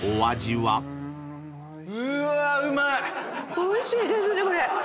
おいしいですねこれ！